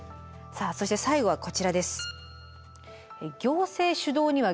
さあそして最後はこちらです。